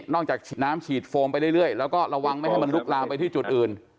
จากฉีดน้ำฉีดโฟมไปเรื่อยแล้วก็ระวังไม่ให้มันลุกลามไปที่จุดอื่น